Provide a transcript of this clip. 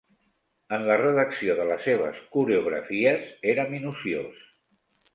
En la redacció de les seves coreografies era minuciós.